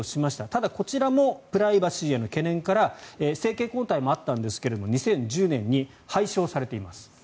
ただ、こちらもプライバシーへの懸念から政権交代もあったんですが２０１０年に廃止をされています。